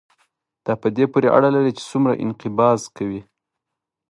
دا په دې پورې اړه لري چې څومره انقباض کوي.